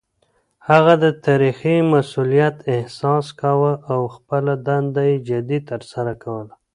هغه د تاريخي مسووليت احساس کاوه او خپله دنده يې جدي ترسره کوله.